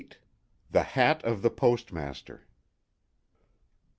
THE HAT OF THE POSTMASTER.